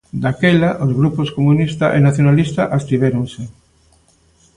Daquela, os grupos comunista e nacionalista abstivéronse.